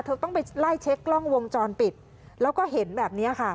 เธอต้องไปไล่เช็คกล้องวงจรปิดแล้วก็เห็นแบบนี้ค่ะ